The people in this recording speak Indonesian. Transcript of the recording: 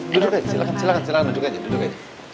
duduk aja silahkan duduk aja